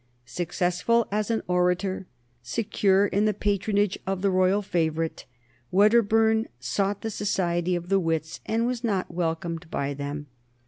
Successful as an orator, secure in the patronage of the royal favorite, Wedderburn sought the society of the wits and was not welcomed by them.